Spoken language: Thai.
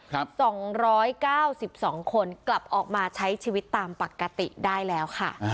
๒๙๒คนกลับออกมาใช้ชีวิตตามปกติได้แล้วค่ะ